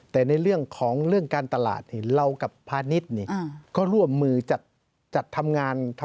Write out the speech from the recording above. แต่ในเรื่องของเรื่องการตลาดเรากับพาณิชย์ก็ร่วมมือจัดทำงาน